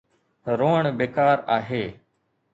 روئڻ بيڪار آهي.